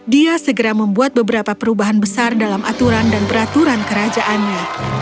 dia segera membuat beberapa perubahan besar dalam aturan dan peraturan kerajaannya